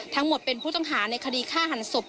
ทั้งหมดเป็นผู้ต้องหาในคดีฆ่าหันศพ